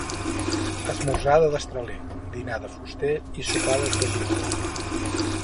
Esmorzar de destraler, dinar de fuster i sopar de traginer.